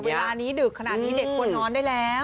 เวลานี้ดึกขนาดนี้เด็กควรนอนได้แล้ว